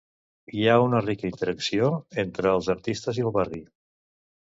Hi ha una rica interacció entre els artistes i el barri.